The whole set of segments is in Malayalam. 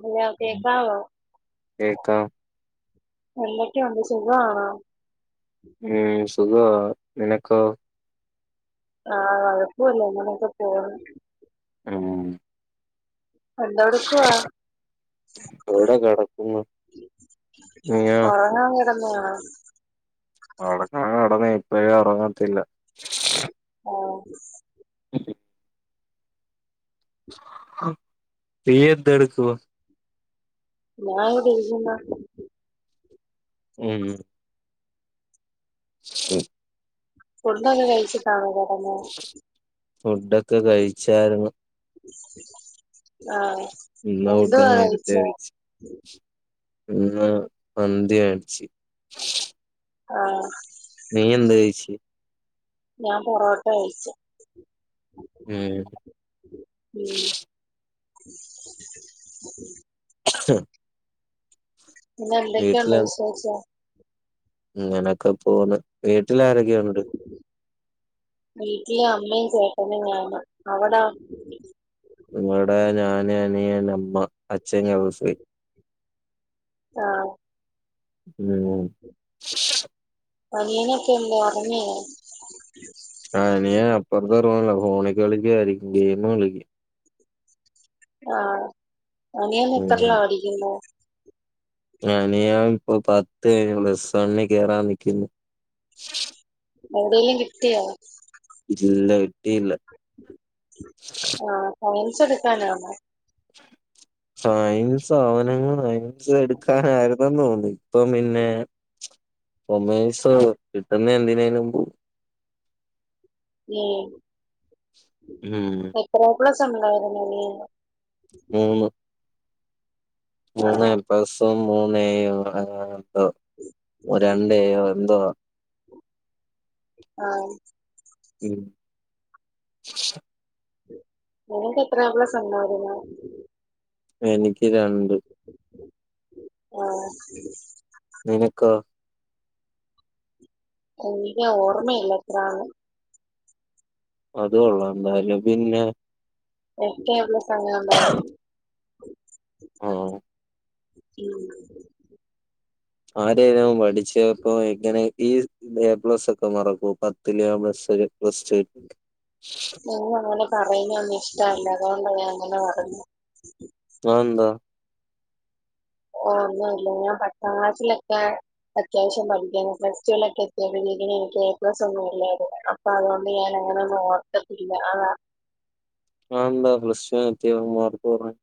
ഹലോ കേക്കാവോ കേക്കാം എന്തൊക്കെയുണ്ട് സുഖാണോ ഉം സുഖവാ നിനക്കോ ആഹ് [unintelligible] ഇങ്ങനൊക്കെ പോന്നു ഉം എന്തടുക്കുവാ എവിടെ കിടക്കുന്നു നീയോ ഒറ ആ [unintelligible] ഒറങ്ങാൻ കടന്ന ഇപ്പയെ ഒറങ്ങത്തില്ല ആഹ് അല്ലെ നീ എന്തടുക്കുവാ ഞാ ഇവിടെ ഇരിക്കുന്ന ഉം ഉം ഫുഡ്ഡൊക്കെ കയിച്ചിട്ടാണോ കടന്നെ ഫുഡൊക്കെ കഴിച്ചായ്രുന്നു [inaudible] ആ ന്നാ ഫുഡ എന്തുവാ നേരെത്തെ കഴിച്ചേ കയിച് ഇന്ന് മന്തി വേട്ച്ച് ആഹ് നീ എന്ത് കഴിച്ച് ഞാൻ പൊറോട്ട കഴിച്ച് ഉം ഉം [inaudible] അ [inaudible] പിന്നെ എന്തേക്കെയുണ്ട് വീട്ടില് വിശേഷം ഇങ്ങനൊക്കെ പോണ് വീട്ടില് ആരെക്കെയുണ്ട് വീട്ടില് അമ്മയും ചേട്ടനും ഞാനും അവടാ ഇവട ഞാന് അനിയൻ അമ്മ അച്ഛൻ ഗൾഫി ആഹ് ഉം അനിയന് ഒക്കെ എന്ധെ ഒർങ്യോ ആ അനിയന് അപ്പർത്ത റൂമിലാ ഫോണ് കളിക്കായിരിക്കും ഗെയിമ് കളിക്ക ആഹ് അനിയൻ എത്രൽലാ ഉം. പടിക്കുന്നെ അനിയൻ ഇപ്പൊ പത്ത് കഴിഞ്ഞു പ്ലസ് വണ്ണി കേറാൻ നിക്കുന്നു എവിടെലും കിട്ടിയോ ഇല്ല കിട്ടീല്ല ആഹ് സയൻസ് എടുക്കാനാണോ സയൻസ് അവന് സയൻസ് എടുക്കാനായിരുന്നന്ന് തോന്നി ഇപ്പം പിന്നെ കോമെഴ്‌സൊ കിട്ടുന്ന എന്തിനേലും പോവും ഉം ഉം എത്ര [unintelligible] മൂന്ന് ആ, മൂന്ന് എപ്ലസും മൂന്ന് എയും അങ്ങനെന്തോ രണ്ട് ഏയോ എന്തോ ആം ഉം നിങ്ങക്ക് എത്ര എ പ്ലസ് ഉണ്ടായിരുന്നു എനിക്ക് രണ്ട് ഓ നിനക്കോ എനിക്ക് ഓർമ്മയില്ല എത്രാണ് അത് കൊള്ളാംഭാര്യ പിന്നെ എക്കെയെ [unintelligible] ആഹ് [unintelligible] ആരനും പഠിച്ചപ്പോ എങ്ങനെ ഈ എ പ്ലസ് ഒക്കെ മറക്കോ പത്തില് പ്ലസ് പ്ലസ് ടു നിന്ന അങ്ങനെ പറയുന്ന ഒന്നും ഇഷ്ടല്ല അതുകൊണ്ടാണ് ഞാൻ അങ്ങനെ പറഞ്ഞെ ആന്താ ഓ ഒന്നുംല്ല ഞാൻ പത്താം ക്ലാസ്സിലൊക്കെ അത്യാവശ്യം പഠിക്കാന് പ്ലസ് ടു വിൽ ഒക്കെ എത്തിയാ പിന്നെ എക്ക് ഏപ്ലസ് ഒന്നുമില്ലായിരുന്നു അപ്പൊ അതുകൊണ്ട് ഞാൻ അങ്ങനെ നോക്കത്തില്ല ആന്താ പ്ലസ് ടുവിൽ എത്തിയപ്പോ മർക്ക് കുറഞ്ഞെ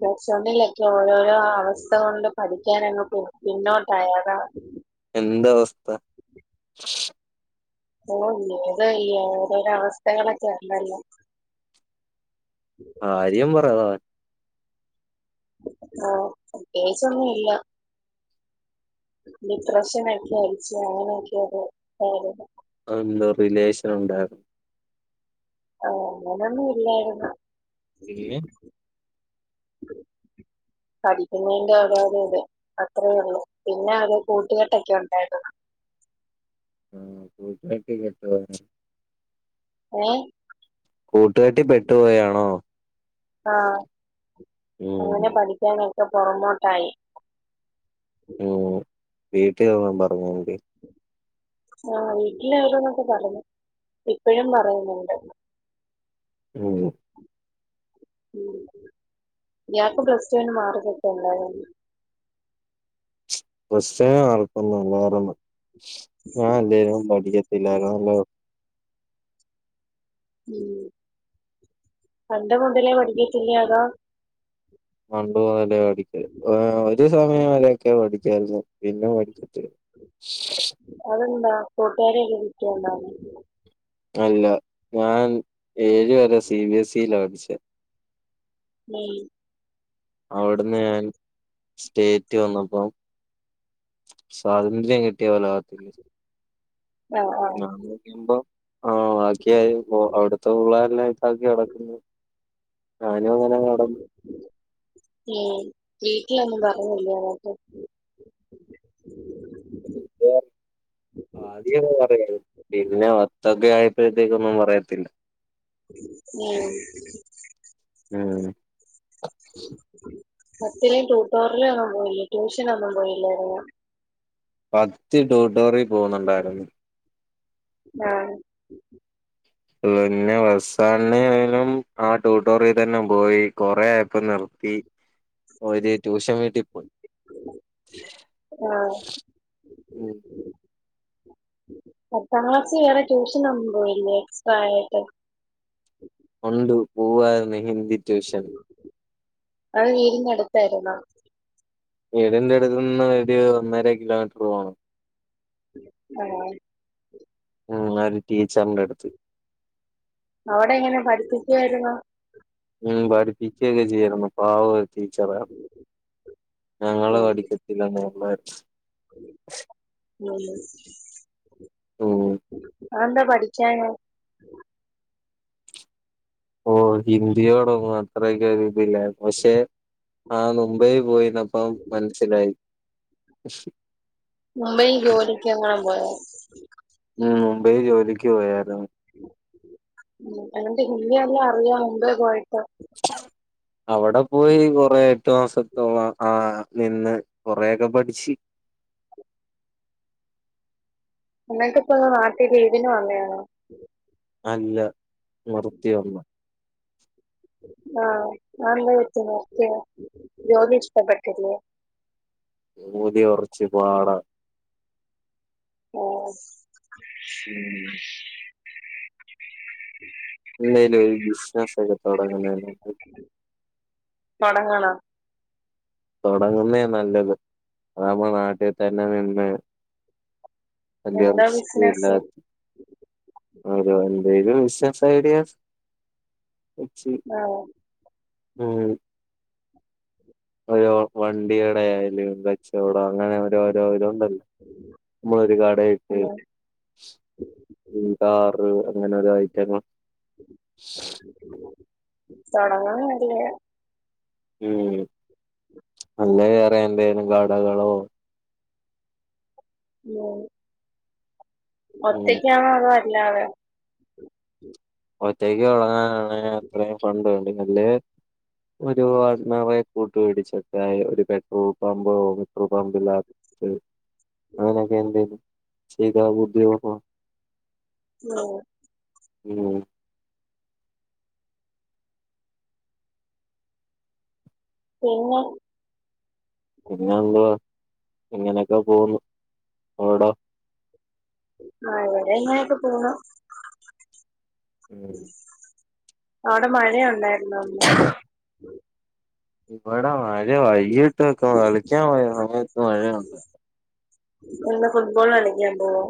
പ്ലസ് വണിലൊക്കെ ഓരോരോ അവസ്ഥ കൊണ്ട് പഠിക്കാൻങ്ങോട്ട് പിന്നോട്ട്യായി അതാ എന്ത അവസ്ഥ ഓ ഇത് ല്ലേ ഓരോരോഅവസ്ഥകളൊക്കെ ഉണ്ടല്ലോ കാര്യം പറ പതറാതെ ഓ പ്രത്യേകിച്ചൊന്നും ഇല്ല ഡിപ്രഷനൊക്കെ അടിച്ചു അങ്ങനെയൊക്കെ അത് [unintelligible] അതെന്തോ റിലേഷൻ ഉണ്ടായിരുന്നോ ആഹ് അങ്ങനൊന്നും ഇല്ലായിരുന്നു പിന്നെ പഠിക്കുന്നതിന്റെ ഓരോരോ ഇത് അത്രേ ഉള്ളൂ പിന്നെ അത് കൂട്ടുകെട്ടൊക്കെ ഉണ്ടായിരുന്നു ഉം കൂട്ടുകെട്ടിൽപെട്ടുപോയോ ഏ കൂട്ടുകെട്ടി പെട്ടുപോയാണോ ആഹ് ഉം അങ്ങനെ പഠിക്കാണ്ടായി [unintelligible] പുറകോട്ടായി ഓവീട്ടിൽ ഒന്നും പറഞ്ഞില്ലെ ആഹ് വീട്ടില് ഓരോന്നൊക്കെ പറഞ്ഞു ഇപ്പഴും പറയുന്നുണ്ട് ഉം ഉ ഇയാക്ക് പ്ലസ് ടു വിന് മാർക്ക് ഒക്കെ ഉണ്ടായിരുന്നോ പ്ലസ് ടുവിന് മാർക്കൊന്നും ഇല്ലായിരുന്നു ഞാൻ അല്ലെലും പഠിക്കത്തില്ലായിരുന്നു ഉ പണ്ട് മുതലേ പടിക്കത്തില്ലാ അതോ പണ്ട്മുതലേ പടി ഉം ആ ഒരു സമയം വരൊക്കെ പഠിക്കായിരുന്നു പിന്നെ പടിക്കത്തില്ല അതെന്താ കട്ടുകാരൊക്കെ വിളിക്കുക ണ്ടായിരുന്നോ അല്ല ഞാൻ ഏഴ് വരെ സി ബിഎസ്ഇൽ പഠിച്ചേ [unintelligible] അവിടുന്ന് ഞാൻ സ്റ്റേറ്റ് വന്നപ്പോം സ്വാതന്ത്ര്യം കിട്ടിയത് പോലെ ആ ആഹ് ആഹ് വത്തില്ലെഞാൻ നോക്കിയുമ്പോ ആഹ് ബാക്കിയാരും ഓഅവിടുത്തെ പിള്ളേരെല്ലാം നൈസാക്കി നടക്കുന്നു ഞാനും അങ്ങനെ നടന്നു ഏ വീട്ടിലൊന്നും പറഞ്ഞില്ലെ അന്നട്ട് ഉം അധിക പറയത് പിന്നെ മൊത്തൊക്കെ ആയപ്പോത്തേക്കൊന്നും പറയത്തില്ല ആഹ് ഉം പത്തിലും ടുട്ടോറിയിലൊന്നും പോയില്ല ട്യൂഷനൊന്നും പോയില്ലാരുന്നോ പത്തി ട്യൂട്ടോറിയിൽ പോന്നുണ്ടായിരുന്നു ആഹ് പിന്നെ അവസാനം ആ ട്യൂട്ടോറിൽ തന്നെ പോയി കൊറെ ആയപ്പം നിർത്തി [unintelligible] ഒരു ട്യൂഷൻ വീട്ടി പോയി ആഹ് പത്താം ക്ലാസി വേറെ ടൂഷനൊന്നും പോയില്ലേ എക്സ്ട്ര ആയിട്ട്. ഒണ്ട് പോവായിരുന്നു ഹിന്ദി ട്യൂഷൻ. അത് വീടിന്റെ അടുത്തായിരുന്നോ വീടിന്റെ അടുത്തുന്ന് ഒരു ഒന്നര കിലോമീറ്റർ പോണം ആഹ് ഉം, ഒരു ടീച്ചറിന്റെ അടുത്ത് അവിടെ എങ്ങനെ പഠിപ്പിക്കായിരുന്നോ ഉം പഠിപ്പിക്കൊക്കെ ചെയ്യാരുന്നു പാവം ഒരു ടീച്ചർ ആണ് ഞങ്ങള് ഉം പഠിക്ക ത്തില്ലേ ഒള്ളാരുന്നു ഉം [inaudible] ഉം അതെന്താ പഠിക്കാഞ്ഞെ ഓഹ് ഹിന്ദിയോടൊന്നും അത്രയ്ക്കൊരു പിന്നെ പക്ഷെ ആ നുമ്പേ പോയി നിന്നപ്പം മനസ്സിലായി [unintelligible] മുംബൈൽ ജോലിക്ക് എങ്ങാനും പോയോ ഉം മുംബൈ ജോലിക്ക് പോയാരുന്ന് ഉം എന്നിട്ട് ഹിന്ദി എല്ലാം അറിയാമോ മുബൈ പോയിട്ട്. അവിടെ പോയി കൊറേ എട്ട് മാസത്തോളം ആ നിന്ന് കുറേ ഒക്കെ പഠിച്ച്. അന്നിട്ടിപ്പൊ നാട്ടിൽ ലീവിന് വന്നയാണോ. അല്ല നിർത്തി വന്ന് ആഹ് അതെന്തു പറ്റി നിർത്തിയേ ജോലി ഇഷ്ടപ്പെട്ടില്ലെ ജോലി കുറച്ചു പാടാ. ഓഹ് ഉം ഓ എന്തെലും ഒരു ബിസിനസ്സൊക്കെ തുടങ്ങണം എനിക്ക് തൊടങ്ങണം തുടങ്ങുന്നേ നല്ലത് അതാവുമ്പം നാട്ടിൽ തന്നെ നിന്ന് അന്റെ എന്താ ബിസിനസ് [unintelligible] ഓരോ എന്തേലും ബിസിനസ് ഐഡിയാസ് വെച്ച് ആഹ് ഉം ഒരോ വണ്ടിയേടായാലും കച്ചവടം അങ്ങനെ ഓരോരൊ ഇതൊണ്ടല്ലോ നമ്മളൊരു കടയിട്ട് കാറ് അങ്ങനെ ഓരോ ഐറ്റങ്ങൾ തൊടങ്ങാൻ നല്ലയാ ഉം അല്ലേ വേറെ എന്തേലും കടകളോ ഏ. ഉം ഒറ്റക്കാണോ അതോ അല്ലാതെ? ഒറ്റക്ക് തുടങ്ങാനാണ് അത്രയും ഫണ്ട് എട്ക്കുന്നെ ഒരു പാർട്ണറെ കൂ വേടിച്ചട്ടായ് ഒരു പെട്രോൾ പമ്പ് ഒരു പെട്രോൾ പമ്പില്ലാത്ത ആങ്ങനൊക്കെ ഉണ്ട് സ്ത്രീകളെ കൂട്ടി [unintelligible] ഹലോ. ഉം. പിന്നെ. പിന്നെന്തുവാ ഇങ്ങനെയൊക്കെ പോകുന്നു അവ്ടെ. ആഹ് ഇവിടെ ഇങ്ങനേക്കെ പോകുന്നു. ഉം അവ്ടെ മഴയൊണ്ടായിരുന്നോ? ഇവ്ടെ മഴ വൈകിട്ട് ക കളിക്കാൻ പോയ സമയത്ത് മഴയുണ്ടാ എന്താ ഫുട്ബോള് കളിക്കാൻ പോവോ?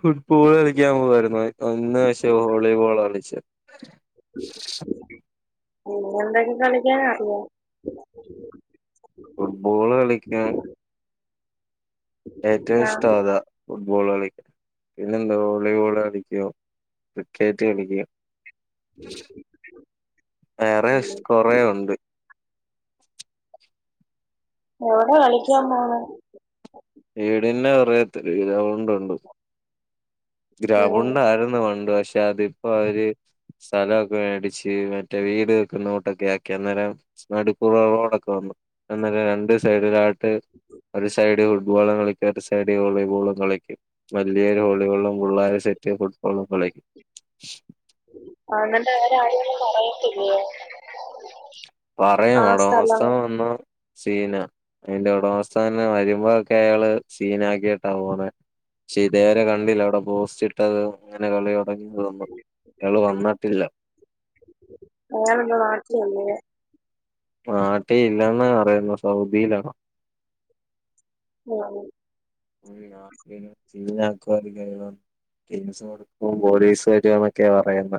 ഫുട്ബോള് കളിക്കാൻ പോവായിരുന്നു ഇന്ന് പക്ഷേ വോളിബോളാ കളിച്ച്. പിന്നെന്തൊക്കെ കളിക്കാനറിയാം? ഫുട്ബോള് കളിക്കാൻ. ഏറ്റവും ആ ഇഷ്ടം അതാ. ഫുട്ബോള് കളി പിന്നെന്താ വോളിബോള് കളിക്കും ക്രിക്കറ്റ് കളിക്കും. വേറെ ശ് ഉം. കൊറേ ഉണ്ട്. എവ്ടെ കളിക്കാൻ പോണ്? വീടിന്റെ അറയത്ത് ഗ്രൗണ്ടുണ്ട്. ഉം. ഗ്രൗണ്ടാര്ന്നു പണ്ട് പക്ഷേ അതിപ്പോ അവര്. സ്ഥലക്കെ വേടിച്ച് മറ്റേ വീട് വക്കുന്നകൂട്ടൊക്കെ ആക്കി അന്നേരം. നട്ക്കൂടെ റോഡക്ക വന്നു ഒന്നല്ല രണ്ട് സൈഡിലായിട്ട്. ഒരു സൈഡി ഫുട്ബോള് കളിക്കാം ഒരു സൈഡി വോളിബോളും കളിക്കും വലിയൊരു [unintelligible] പുള്ളാര് സെറ്റ് ഫുട്ബോളും കളിക്കും. അണ്ണന്റെ കാര്യം ആരോടെങ്കിലും പറയത്തില്ലയോ? പറയും ഒടമസ്ഥൻ വന്നാ. സീനാ അതിന്റെ ഉടമസ്ഥൻ ന്നെ വരുമ്പോക്കെ അയാള് സീനാക്കീട്ടാ പോണെ. ക്ഷേ ഇതേവരെ കണ്ടില്ല അവിടെ പോസ്റ്റ് ഇട്ടതും അങ്ങനെ കളി തൊടങ്ങിയതൊന്നും. ങ്ങള് വന്നട്ടില്ല. ങ്ങളിന്ന് നാട്ടിലില്ലേ? നാട്ടീ ഇല്ലെന്നാ പറയുന്ന സൗദിയിലാണ്. [unintelligible] ഒരു രാത്രി സീൻ ആക്കും [unintelligible] കേസ് കൊടുക്കും പോലീസ് വരും എന്നൊക്കെയ പറയുന്ന.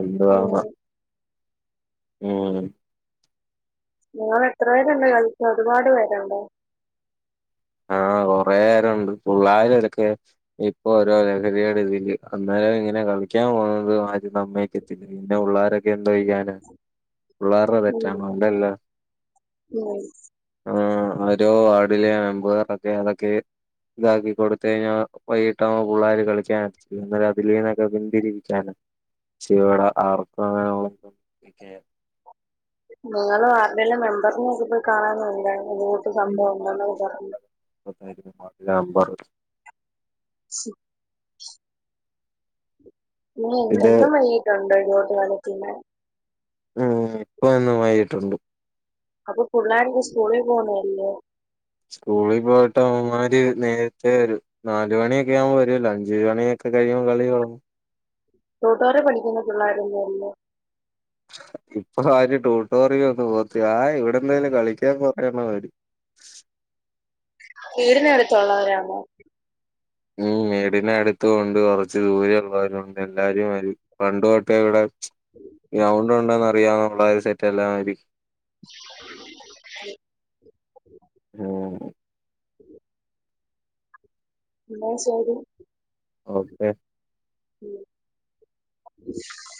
എന്തുവാകുവാ ഉം. ഉം. നിങ്ങളെത്ര പേരുണ്ട് കളിക്കാൻ ഒരുപാട് പേരുണ്ടോ? [inaudible] പേരുണ്ട് ഫുള്ളായതൊക്കെ. ഇപ്പൊ ഓരോ ലഹരിയുടെ ഇതില് അന്നേരം ഇങ്ങനെ കളിക്കാൻ പോകുന്നത് ആരും സമ്മയിക്കത്തില്ല. ന്നെ പുള്ളാര എന്തൊയ്യാനാ പുള്ളാരുടെ ഉം. തെറ്റാണോ ഒണ്ടെല്ലാ ഉം. ആഹ് ഓരോ വാർഡിലെ മെമ്പേറൊക്കെ അതൊക്കെ. ഇതാക്കി കൊടുത്തഴിഞ്ഞാ വൈകിട്ടാവ്മ്പൊ പുള്ളാര് കളിക്കാൻ അതിലീന്നൊക്കെ പിന്തിരിയിക്കാനാ. ക്ഷെവിടെ ആർക്കും അങ്ങന [unintelligible] നിക്കേ നിങ്ങള് വാർഡിലെ മെമ്പേർസിനെയൊക്കെ പോയി കാണാഞെന്താണ് ഇങ്ങനെയൊക്കെ സംഭവം [unintelligible] [unintelligible] നമ്പർ സു ഇനി ഇത് എന്നും വൈകിട്ടൊണ്ട് ഇങ്ങോട്ട് [unintelligible] ഉം ഇപ്പ എന്നും വൈകിട്ടുണ്ട് അപ്പൊ പുള്ളാര്ക്ക് സ്കൂളീ പോണ്ടതല്ലേ സ്കൂളീ പോയിട്ട് അവന്മാര് നേരത്തേ വരും നാല് മണിയൊക്കെ ആവുമ്പൊ വരുവല്ലോ അഞ്ച് മണിയൊക്കെ കഴിയുമ്പൊ കളി തുടങ്ങും ട്യൂട്ടോറീ പഠിക്കുന്ന പുള്ളാരൊന്നു അല്ലേ ഇപ്പൊ ആരും ട്യൂട്ടോറിലോട്ട് പോവത്തില്ല ആ ഇവിടെന്തേലും കളിക്കാൻ [unintelligible] വീടിനടുത്തുള്ളവരാണോ ഉം വീടിന് അടുത്തും ഉണ്ട് കൊറച്ച് ദൂരേ ഉള്ളവരുണ്ട് എല്ലാരും വരും പണ്ട് തൊട്ടെ ഇവടെ ഗ്രൗണ്ട് ഉണ്ടന്ന് അറിയാവ്ന്ന പിള്ളാര്‌ സെറ്റെല്ലാം വരും [inaudible] [unintelligible] [inaudible] ഇന്നാ ശേരി. ഓക്കെ ഉം